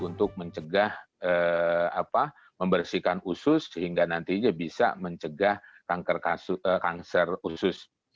untuk mencegah membersihkan usus sehingga nantinya bisa mencegah kanker usus